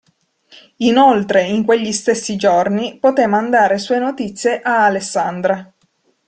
Inoltre in quegli stessi giorni potè mandare sue notizie a Alessandra.